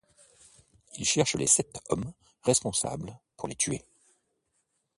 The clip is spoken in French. Il cherche les sept hommes responsables pour les tuer.